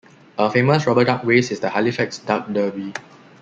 A famous rubber duck race is the Halifax Duck Derby.